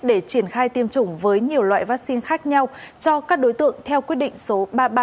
để triển khai tiêm chủng với nhiều loại vaccine khác nhau cho các đối tượng theo quyết định số ba nghìn ba trăm năm mươi năm